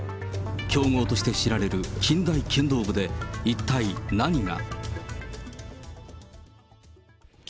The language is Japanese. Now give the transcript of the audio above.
強豪として知られる近大剣道部で一体何が。